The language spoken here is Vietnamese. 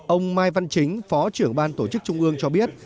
ông mai văn chính phó trưởng ban tổ chức trung ương cho biết